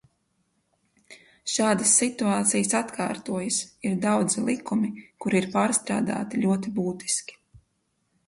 Šādas situācijas atkārtojas, ir daudzi likumi, kuri ir pārstrādāti ļoti būtiski.